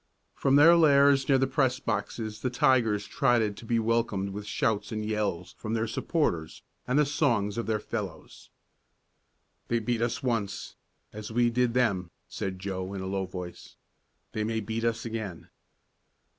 From their lairs near the press boxes the tigers trotted to be welcomed with shouts and yells from their supporters and the songs of their fellows. "They beat us once as we did them," said Joe in a low voice. "They may beat us again."